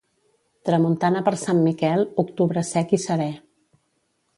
Tramuntana per Sant Miquel, octubre sec i serè.